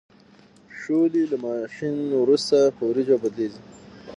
شولې له ماشین وروسته په وریجو بدلیږي.